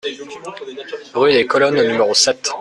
Rue des Colonnes au numéro sept